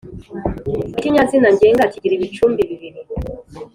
ikinyazina ngenga kigira ibicumbi bibiri :